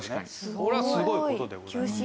これはすごい事でございます。